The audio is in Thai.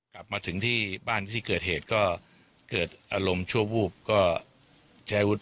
กลับมาถึงที่บ้านที่เกิดเหตุก็เกิดอารมณ์ชั่ววูบก็ใช้อาวุธ